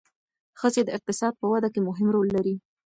ښځې د اقتصاد په وده کې مهم رول لري.